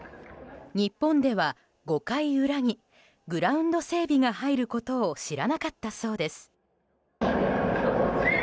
日本では５回裏にグラウンド整備が入ることを知らなかったそうです。